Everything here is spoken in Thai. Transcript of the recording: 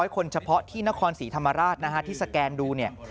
๕๐๐คนเฉพาะที่นครศรีธรรมราชที่สแกนดู